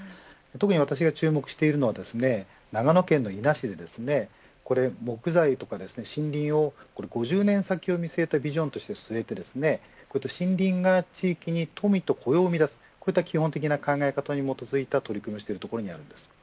私が注目しているのは長野県の伊那市で木材や森林の５０年先を見据えたビジョンとして据えて森林が地域に富と雇用を生み出すといった基本的な考え方に基づいた取り組みをしているところにあります。